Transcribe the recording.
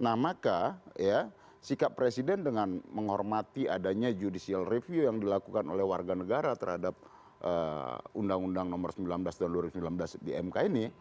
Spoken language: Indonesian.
nah maka ya sikap presiden dengan menghormati adanya judicial review yang dilakukan oleh warga negara terhadap undang undang nomor sembilan belas tahun dua ribu sembilan belas di mk ini